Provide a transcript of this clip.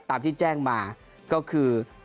ตามที่แจ้งมาก็คือ